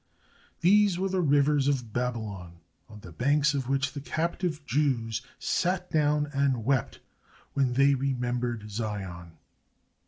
These were the rivers of Babylon on the banks of which the captive Jews sat down and wept when they remembered Zion.